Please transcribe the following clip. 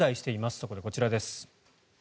そこでこちらです。